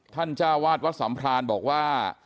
จ้าวาดวัดสัมพรานบอกว่า